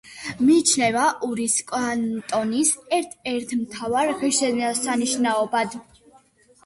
მიიჩნევა ურის კანტონის ერთ-ერთ მთავარ ღირსშესანიშნაობად.